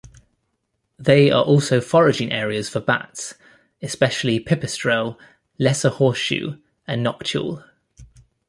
They are also foraging areas for bats, especially Pipistrelle, Lesser horseshoe and Noctule.